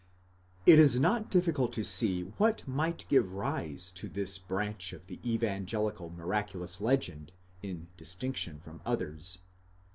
§ ο8, It is not difficult to see what might give rise to this branch of the evangeli cal miraculous legend, in distinction from others.